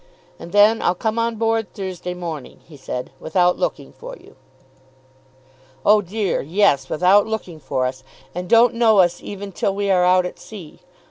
"And then I'll come on board on Thursday morning," he said, "without looking for you." "Oh dear, yes; without looking for us. And don't know us even till we are out at sea.